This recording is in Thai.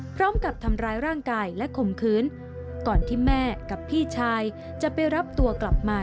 พร้อมกับทำร้ายร่างกายและข่มขืนก่อนที่แม่กับพี่ชายจะไปรับตัวกลับมา